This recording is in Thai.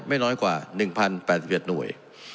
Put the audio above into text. ไม่น้อยกว่า๑๐๘๑หน่วย